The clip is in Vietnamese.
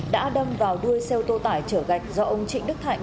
đã đâm vào đuôi xe ô tô tải trở gạch do ông trịnh đức thạnh